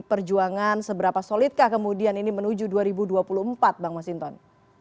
perjuangan seberapa solid kah kemudian ini menuju dua ribu dua puluh empat bang mas hinton